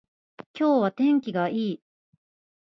今日は天気がいい